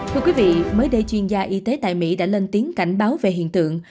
thưa quý vị mới đây chuyên gia y tế tại mỹ đã lên tiếng cảnh báo về hiện tượng